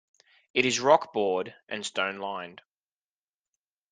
It is rock bored and stone lined.